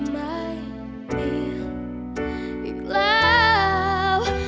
ไม่มีอีกแล้ว